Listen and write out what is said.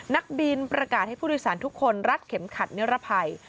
นักบินประกาศให้ผู้โดยสารทุกคนรัดเข็มขัดนิรภัย